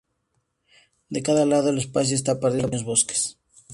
De cada lado, el espacio está partido por pequeños bosquetes.